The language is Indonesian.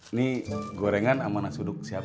ini gorengan sama nasuduk siapa be